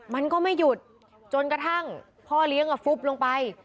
มันก็ไม่หยุดจนกระทั่งพ่อเลี้ยงฟุบลงไป